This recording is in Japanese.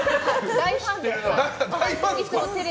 大ファンで。